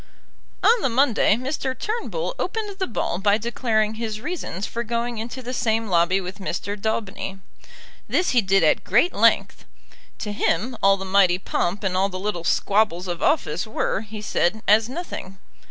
On the Monday Mr. Turnbull opened the ball by declaring his reasons for going into the same lobby with Mr. Daubeny. This he did at great length. To him all the mighty pomp and all the little squabbles of office were, he said, as nothing.